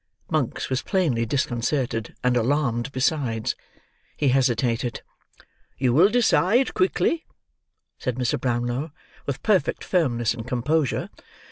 Monks was plainly disconcerted, and alarmed besides. He hesitated. "You will decide quickly," said Mr. Brownlow, with perfect firmness and composure.